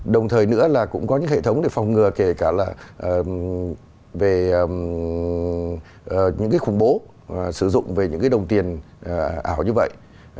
đồng thời nữa là cũng có những hệ thống để phòng ngừa kể cả là về những cái khủng bố sử dụng về những cái đồng tiền ảo như vậy